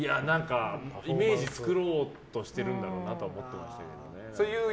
イメージを作ろうとしてるんだろうなと思ってたけどね。